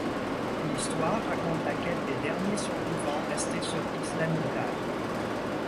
L'histoire raconte la quête des derniers survivants restés sur Isla Nublar.